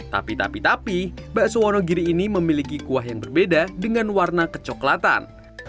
tapi tapi tapi tapi bakso wonogiri ini memiliki kuah yang berbeda dengan warna kecoklatan